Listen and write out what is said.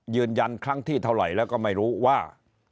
ยืนยันครั้งที่เท่าไหร่แล้วก็ไม่รู้ว่า